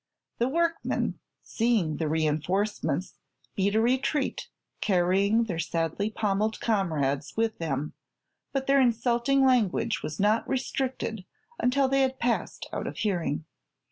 The workmen, seeing the reinforcements, beat a retreat, carrying their sadly pommeled comrades with them, but their insulting language was not restricted until they had passed out of hearing.